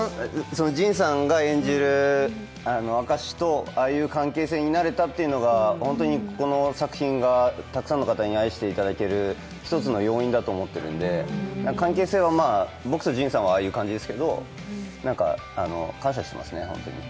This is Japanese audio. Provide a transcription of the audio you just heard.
仁さんが演じる明石とああいう関係になれたというのがこの作品がたくさんの方に愛していただける１つの要因だと思うので関係性は僕と仁さんはああいう感じですけど、感謝してますね。